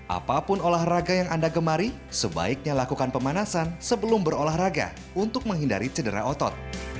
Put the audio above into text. apapun olahraga yang anda gemari sebaiknya lakukan pemanasan sebelum berolahraga untuk menghindari cedera otot